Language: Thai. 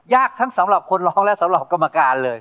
ทั้งสำหรับคนร้องและสำหรับกรรมการเลย